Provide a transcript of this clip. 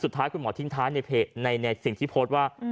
สุดท้ายคุณหมอทิ้งท้ายในสิ่งที่โพสต์ว่า